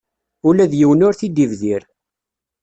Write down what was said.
Ula d yiwen ur t-id-ibdir.